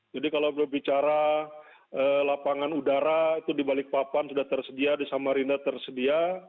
jadi kalau berbicara lapangan udara itu di balikpapan sudah tersedia di samarinda tersedia